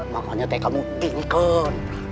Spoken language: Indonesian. makanya tekanu ingin kan